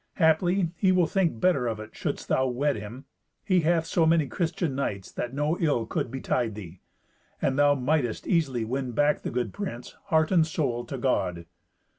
Haply he will think better of it shouldst thou wed him. He hath so many Christian knights that no ill could betide thee. And thou mightst easily win back the good prince, heart and soul, to God."